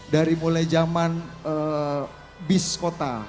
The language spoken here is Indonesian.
dari mulai zaman bis kota